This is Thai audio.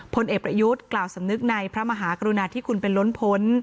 พลเอกประยุทธ์กล่าวสำนึกในพระมหากรุณาธิคุณเป็นล้นพ้น